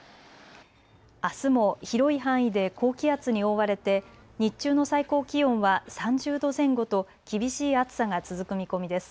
あすも広い範囲で高気圧に覆われて日中の最高気温は３０度前後と厳しい暑さが続く見込みです。